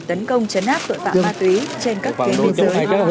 tấn công chấn áp tội phạm ma túy trên các tuyến biên giới